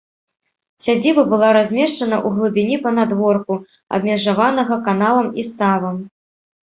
Сядзіба была размешчана ў глыбіні панадворку, абмежаванага каналам і ставам.